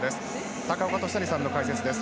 高岡寿成さんの解説です。